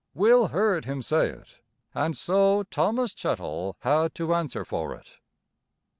Will heard him say it. And so Thomas Chettle had to answer for it.